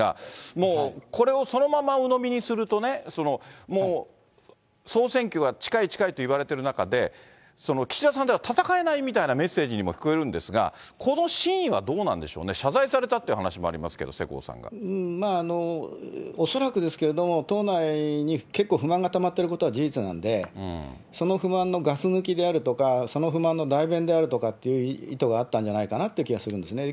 もうこれをそのままうのみにするとね、総選挙が近い近いといわれてる中で、岸田さんでは戦えないみたいなメッセージに聞こえるんですが、このシーンはどうなんでしょうね、謝罪されたって話もありますけど、恐らく党内に結構不満がたまっていることは事実なんで、その不満のガス抜きであるとか、その不満の代弁であるとかっていう意図があったんじゃないかなという気はするんですね。